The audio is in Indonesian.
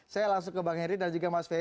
saya langsung ke bang heri dan juga mas ferr